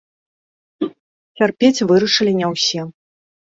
Цярпець вырашылі не ўсе.